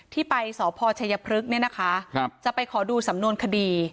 ที่ไปสพชัยพฤกษ์เนี่ยนะคะจะไปขอดูสำนวนคดี